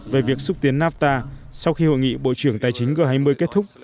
về việc xúc tiến nafta sau khi hội nghị bộ trưởng tài chính g hai mươi kết thúc